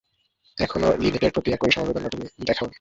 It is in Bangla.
এখনও লিনেটের প্রতি একই সমবেদনা তুমি দেখাওনি।